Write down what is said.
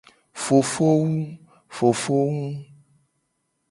Fofowu.